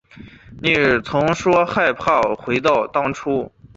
你曾说过害怕回到当初